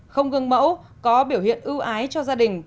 không gương mẫu có biểu hiện ưu ái cho gia đình